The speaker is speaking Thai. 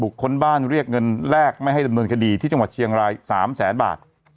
คนบ้านเรียกเงินแรกไม่ให้ดำเนินคดีที่จังหวัดเชียงราย๓แสนบาท